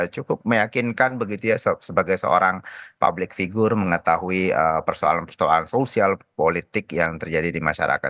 cukup meyakinkan begitu ya sebagai seorang public figure mengetahui persoalan persoalan sosial politik yang terjadi di masyarakat